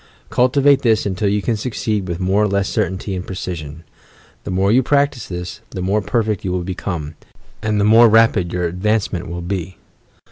Cultivate this until you can succeed with more or less certainty and precision. The more you practise this, the more perfect you will become, and the more rapid your advancement will be.